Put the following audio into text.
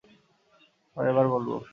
পরের বার বলবো।